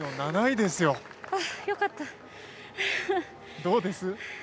どうです？